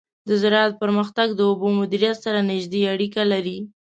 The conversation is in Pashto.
د زراعت پرمختګ له اوبو مدیریت سره نږدې اړیکه لري.